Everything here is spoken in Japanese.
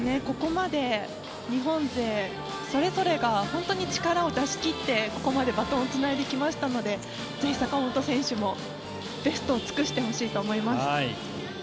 ここまで日本勢それぞれが本当に力を出し切ってこれまでバトンをつないできましたのでぜひ坂本選手もベストを尽くしてほしいと思います。